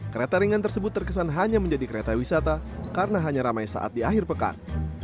kereta ringan tersebut terkesan hanya menjadi kereta wisata karena hanya ramai saat di akhir pekan